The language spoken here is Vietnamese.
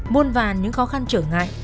môn vàn những khó khăn trở ngại